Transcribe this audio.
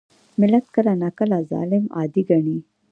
ملت کله ناکله ظالم عادي ګڼي.